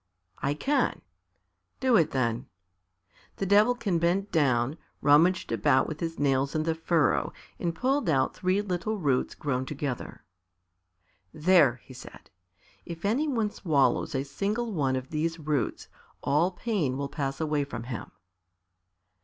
"I can." "Do it, then." The Devilkin bent down, rummaged about with his nails in the furrow and pulled out three little roots, grown together. "There," he said; "if any one swallows a single one of these roots all pain will pass away from him."